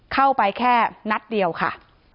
เข้าไปแค่นัดเดียวค่ะ